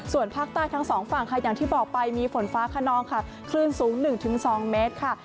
ส่วนภาคใต้ทั้งสองฝั่งค่ะอย่างที่บอกไปมีฝนฟ้าขนองค่ะคลื่นสูง๑๒เมตรค่ะ